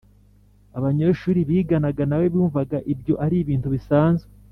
Abanyeshuri biganaga na we bumvaga ibyo ari ibintu bisanzwe